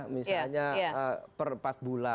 misalnya per empat bulan